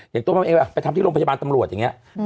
อย่างตัวมันเองไปทำที่โรงพยาบาลตำรวจอย่างนี้